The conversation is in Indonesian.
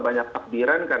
banyak takdiran kan